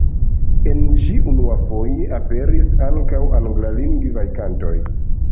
En ĝi unuafoje aperis ankaŭ anglalingvaj kantoj.